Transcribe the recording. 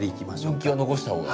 分岐は残した方が？